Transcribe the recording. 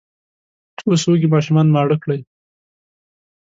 اوس وږي ماشومان ماړه کړئ!